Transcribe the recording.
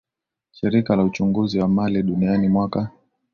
Shirika la uchunguzi wa mali duniani mwaka